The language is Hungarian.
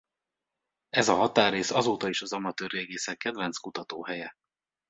Ez a határrész azóta is az amatőr régészek kedvenc kutatóhelye.